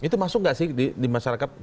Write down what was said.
itu masuk nggak sih di masyarakat